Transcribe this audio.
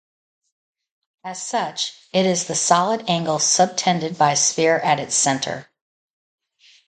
As such, it is the solid angle subtended by a sphere at its centre.